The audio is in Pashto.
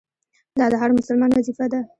دا د هر مسلمان وظیفه ده.